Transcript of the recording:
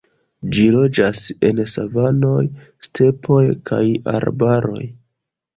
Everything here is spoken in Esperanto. Ĝi loĝas en savanoj, stepoj, kaj arbaroj.